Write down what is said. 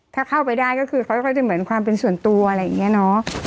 ถ้าเข้าไปได้ก็คือเขาก็จะเหมือนความเป็นส่วนตัวอะไรอย่างนี้เนอะ